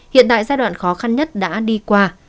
hiện tại giai đoạn khó khăn nhất đã đi qua